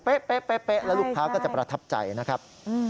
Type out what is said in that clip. เป๊ะแล้วลูกค้าก็จะประทับใจนะครับ